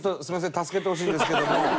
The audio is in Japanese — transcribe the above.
助けてほしいんですけども。